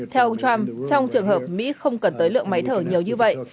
theo ông trump trong trường hợp mỹ không cần tới lượng máy thở nhiều như vậy